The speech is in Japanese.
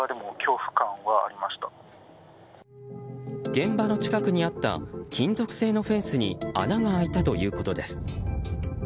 現場の近くにあった金属製のフェンスに穴が開いたということです。